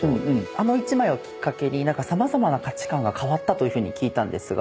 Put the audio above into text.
あの一枚をきっかけに様々な価値観が変わったというふうに聞いたんですが。